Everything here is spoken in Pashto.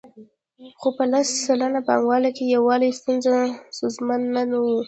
خو په لس سلنه پانګوالو کې یووالی ستونزمن نه وو